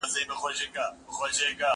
زه زده کړه نه کوم!؟